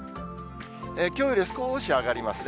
きょうよりすこーし上がりますね。